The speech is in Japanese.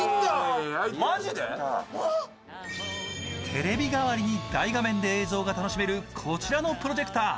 テレビ代わりに大画面で映像が楽しめるこちらのプロジェクター。